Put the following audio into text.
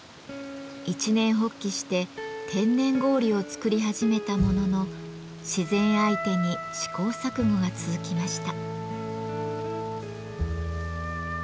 一念発起して天然氷を作り始めたものの自然相手に試行錯誤が続きました。